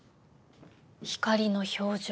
光の表情。